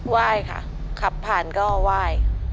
ไหว้ค่ะขับผ่านก็ไหว้